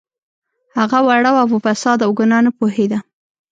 هغه وړه وه په فساد او ګناه نه پوهیده